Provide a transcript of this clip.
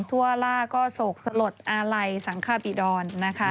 ทั่วลาก้อโศกสลดอาหลายสังขบีดอน